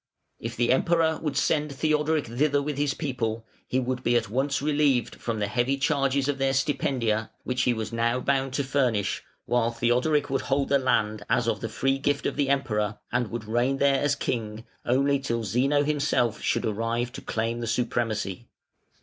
If the Emperor would send Theodoric thither with his people, he would be at once relieved from the heavy charges of their stipendia which he was now bound to furnish, while Theodoric would hold the land as of the free gift of the Emperor, and would reign there as king, only till Zeno himself should arrive to claim the supremacy.